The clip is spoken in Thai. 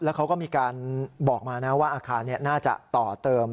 เขาก็มีการบอกมานะว่าอาคารน่าจะต่อเติม